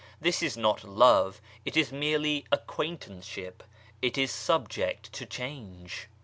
This is not love, it is merely acquaintanceship ; it is subject to change.